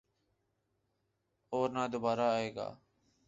اور نہ دوبارہ آئے گا۔